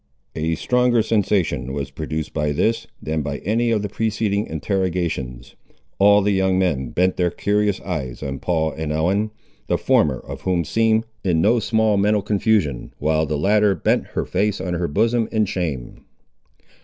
A stronger sensation was produced by this, than by any of the preceding interrogations. All the young men bent their curious eyes on Paul and Ellen, the former of whom seemed in no small mental confusion, while the latter bent her face on her bosom in shame.